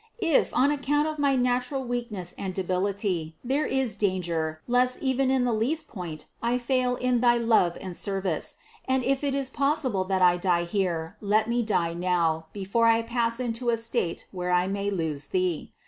If, on account of my natural weakness and debility, there is danger lest even in the least point I fail in thy love and service, and if it is possible that I die here, let me die now, before I pass into a state where I may lose Thee.